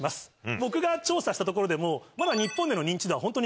僕が調査したところでもまだ。